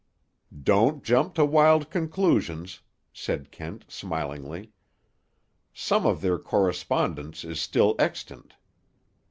"Don't jump to wild conclusions," said Kent smilingly. "Some of their correspondence is still extant.